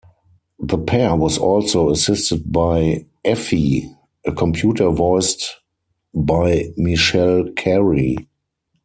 The pair was also assisted by "Effie", a computer voiced by Michele Carey.